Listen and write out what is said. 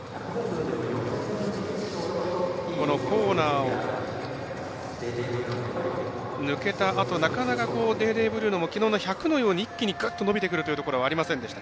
コーナーを抜けたあとなかなかデーデーブルーノもきのうの１００のように一気にぐっと伸びてくるというところはありませんでした。